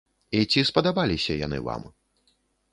І ці спадабаліся яны вам?